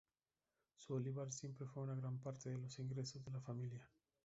Su olivar siempre fue una gran parte de los ingresos de la familia.